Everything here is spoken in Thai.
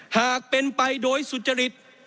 หากเป็นไปโดยสุจริต